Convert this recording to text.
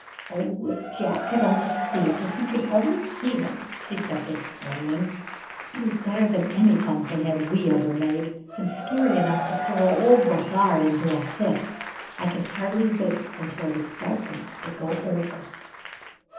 "Oh, if Jack could only see it! If he could only see it!" she kept exclaiming. "It is better than any pumpkin head we ever made, and scary enough to throw old Brossard into a fit. I can hardly wait until it is dark enough to go over."